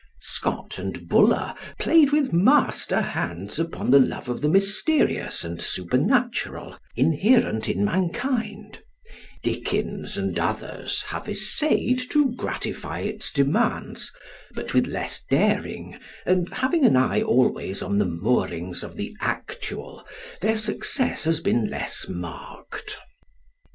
Scott and Bulwer played with master hands upon the love of the mysterious and supernatural inherent in mankind; Dickens and others have essayed to gratify its demands, but with less daring, and, having an eye always on the moorings of the actual, their success has been less marked.